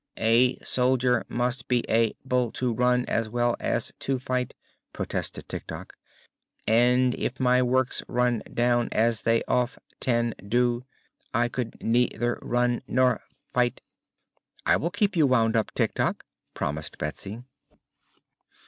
"A sol dier must be a ble to run as well as to fight," protested Tik Tok, "and if my works run down, as they of ten do, I could nei ther run nor fight." "I'll keep you wound up, Tik Tok," promised Betsy.